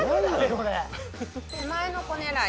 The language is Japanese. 手前の子狙い